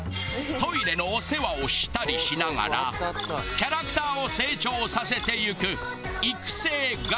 トイレのお世話をしたりしながらキャラクターを成長させていく育成玩具。